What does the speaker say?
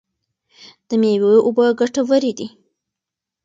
د مېوو اوبه ګټورې دي.